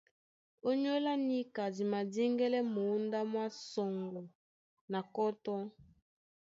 Ónyólá níka di madíŋgɛ́lɛ́ mǒndá mwá sɔŋgɔ na kɔ́tɔ́.